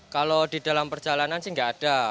kalau di dalam perjalanan sih nggak ada